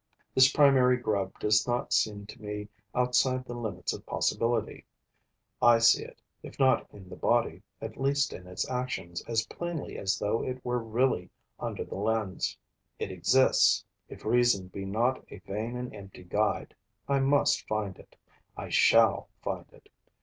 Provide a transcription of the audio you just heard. This primary grub does not seem to me outside the limits of possibility; I see it, if not in the body, at least in its actions, as plainly as though it were really under the lens. It exists, if reason be not a vain and empty guide; I must find it; I shall find it.